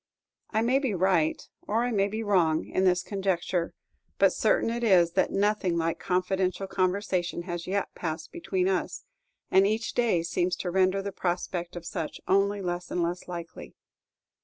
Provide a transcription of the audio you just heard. I may be right, or I may be wrong, in this conjecture; but certain it is, that nothing like confidential conversation has yet passed between us, and each day seems to render the prospect of such only less and less likely.